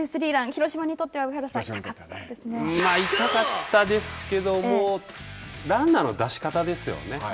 広島にとっては上原さん、痛かっ痛かったですけれども、ランナーの出し方ですよね。